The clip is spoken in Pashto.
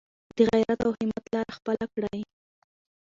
د غیرت او همت لاره خپله کړئ.